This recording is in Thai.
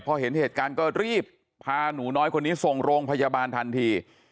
พอเห็นเหตุการณ์ก็รีบพาหนูน้อยคนนี้ส่งโรงพยาบาลทันที